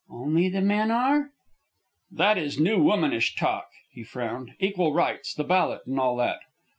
"Only the men are?" "That is new womanish talk," he frowned. "Equal rights, the ballot, and all that."